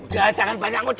udah jangan banyak ngeceh